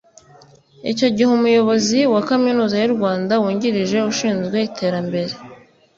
Icyo gihe Umuyobozi wa Kaminuza y’u Rwanda Wungirije Ushinzwe Iterambere